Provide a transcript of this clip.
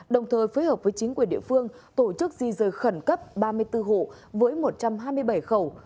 đồng thời phối hợp với chính quyền địa phương tổ chức di rời khẩn cấp ba mươi bốn hộ với một trăm hai mươi bảy khẩu